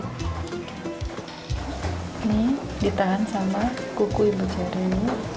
ini ditahan sama kuku ibu jari